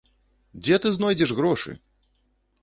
Дзе ты знойдзеш грошы?!?